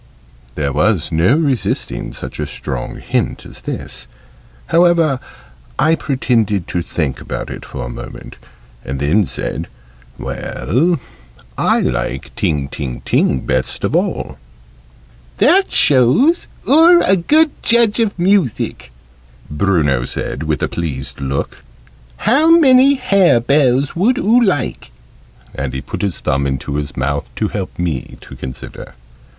There was no resisting such a strong hint as this: however, I pretended to think about it for a moment, and then said "Well, I like 'Ting, ting, ting,' best of all." {Image...Bruno's revenge} "That shows oo're a good judge of music," Bruno said, with a pleased look. "How many hare bells would oo like?" And he put his thumb into his mouth to help me to consider.